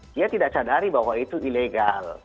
dia tidak sadari bahwa itu ilegal